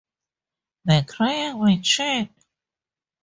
The Crying Machine